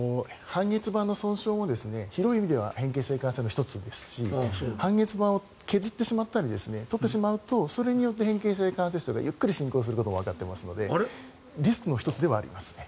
半月板の損傷も広い意味では変形性関節症の１つですし半月板を削ってしまったり取ってしまうとそれによって変形性ひざ関節症がゆっくり進行することがわかっていますのでリスクの１つではありますね。